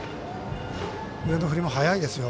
腕の振りも早いですよ。